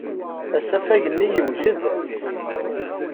Asafag-nni yewjed.